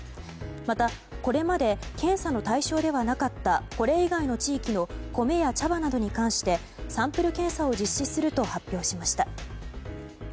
また、これまで検査の対象ではなかったこれ以外の地域の米や茶葉などに関してサンプル検査を実施すると発表しました。